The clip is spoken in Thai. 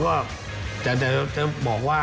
ก็คือคุณอันนบสิงต์โตทองนะครับ